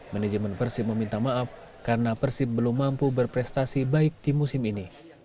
manajemen persib meminta maaf karena persib belum mampu berprestasi baik di musim ini